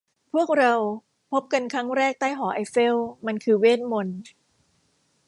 พวกเราพบกันครั้งแรกใต้หอไอเฟล มันคือเวทมนตร์